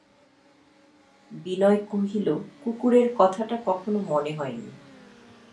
বিনয় কহিল, কুকুরের কথাটা কখনো মনে হয় নি।